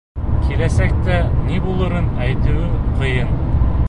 Киләсәктә ни булырын әйтеүе ҡыйын.